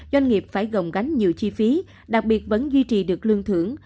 doanh nghiệp phải gồng gánh nhiều chi phí đặc biệt vẫn duy trì được lương thưởng